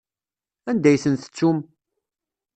Anda ay ten-tettum?